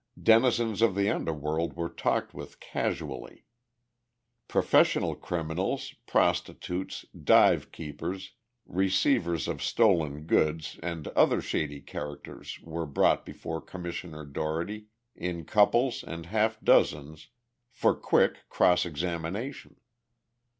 Denizens of the underworld were talked with casually. Professional criminals, prostitutes, dive keepers, receivers of stolen goods and other shady characters were brought before Commissioner Dougherty in couples and half dozens for quick cross examination.